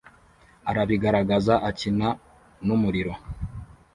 arabigaragaza akina numuriro!